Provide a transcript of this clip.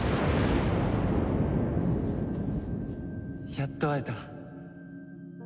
やっと会えた。